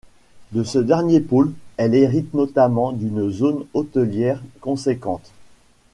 De ce dernier pôle, elle hérite notamment d'une zone hôtelière conséquente.